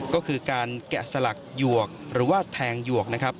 ก็คือการแกะสลักหยวกหรือว่าแทงหยวกนะครับ